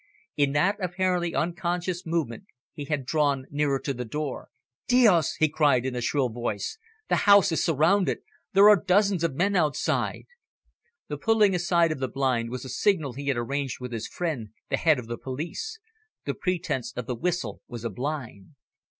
In that apparently unconscious movement he had drawn nearer to the door. "Dios!" he cried, in a shrill voice. "The house is surrounded. There are dozens of men outside." The pulling aside of the blind was a signal he had arranged with his friend, the head of the Police. The pretence of the whistle was a blind.